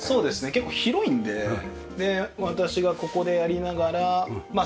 結構広いので私がここでやりながらまあ